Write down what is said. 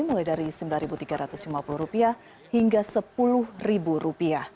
mulai dari rp sembilan tiga ratus lima puluh hingga rp sepuluh